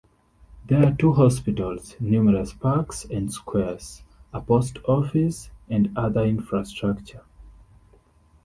There are two hospitals, numerous parks and squares, a post office, and other infrastructure.